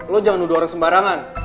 lo jangan nuduh orang sembarangan